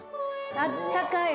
あったかい